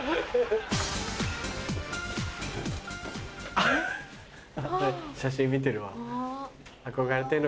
あっ写真見てるわ。